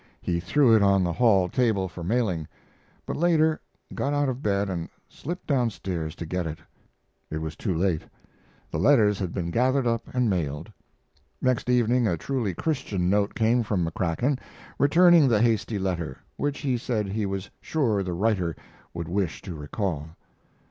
He threw it on the hall table for mailing, but later got out of bed and slipped down stairs to get it. It was too late the letters had been gathered up and mailed. Next evening a truly Christian note came from McCrackan, returning the hasty letter, which he said he was sure the writer would wish to recall.